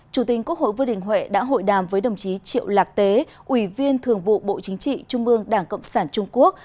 chủ tình quốc hội vương đình huệ đã hội đàm với đồng chí triệu lạc tế ủy viên thường vụ bộ chính trị trung ương đảng cộng sản trung quốc